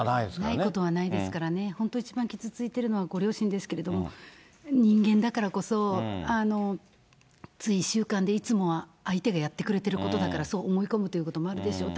ないことはないですからね、本当、一番傷ついているのはご両親ですけれども、人間だからこそ、つい習慣でいつもは相手がやってくれていることだから、そう思い込むということもあるでしょう。